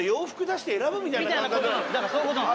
だからそういう事なの。